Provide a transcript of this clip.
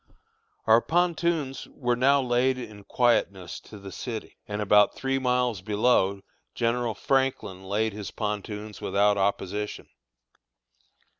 Our pontoons were now laid in quietness to the city; and about three miles below General Franklin laid his pontoons without opposition.